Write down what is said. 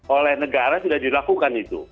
oleh negara sudah dilakukan itu